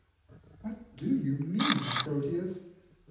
"What do you mean, Proteus?"